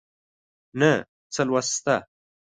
نه څه لوست شته